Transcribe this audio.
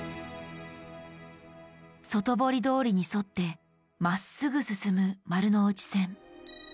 外堀通りに沿ってまっすぐ進む丸ノ内線。